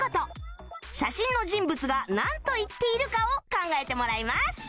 写真の人物がなんと言っているかを考えてもらいます